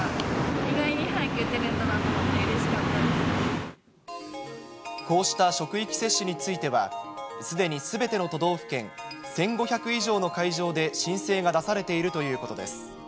意外に早く打てるんだなと思こうした職域接種については、すでにすべての都道府県１５００以上の会場で申請が出されているということです。